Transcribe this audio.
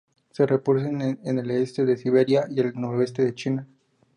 Se reproduce en el este de Siberia y el noreste de China.